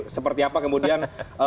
seperti apa kemudian